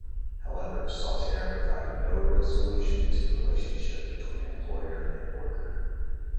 However, Saltaire provided no real solution to the relationship between employer and worker.